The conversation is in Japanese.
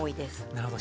なるほど。